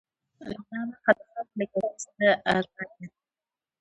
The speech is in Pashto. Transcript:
دا برخه د خاورې له کیفیت سره کار لري.